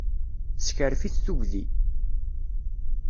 Tessekref-it tugdi.